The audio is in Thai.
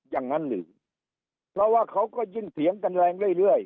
อย่างนั้นหรือเพราะว่าเขาก็ยิ่งเถียงกันแรงเรื่อย